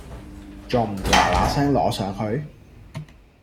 咁重唔嗱嗱聲攞上去？